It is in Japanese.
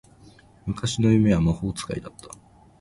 昔の夢は魔法使いだった